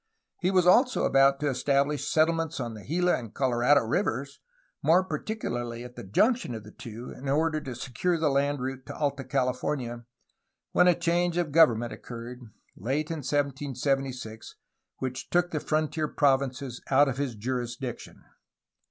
He was also about to establish settle ments on the Gila and Colorado rivers, more particularly at the junction of the two, in order to secure the land route to Alta California, when a change of government occurred, late in 1776, which took the frontier provinces out of his jurisdiction.